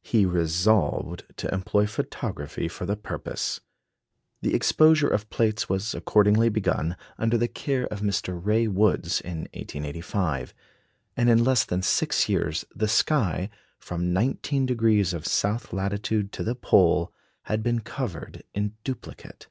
He resolved to employ photography for the purpose. The exposure of plates was accordingly begun, under the care of Mr. Ray Woods, in 1885; and in less than six years, the sky, from 19° of south latitude to the pole, had been covered in duplicate.